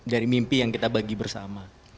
dari mimpi yang kita bagi bersama